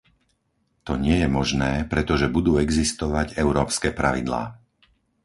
To nie je možné, pretože budú existovať európske pravidlá.